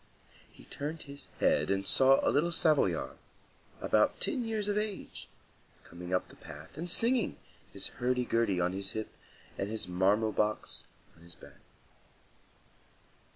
He turned his head and saw a little Savoyard, about ten years of age, coming up the path and singing, his hurdy gurdy on his hip, and his marmot box on his back.